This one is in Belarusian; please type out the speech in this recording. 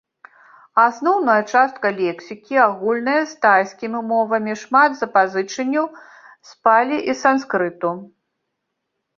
Асноўная частка лексікі агульная з тайскімі мовамі, шмат запазычанняў з палі і санскрыту.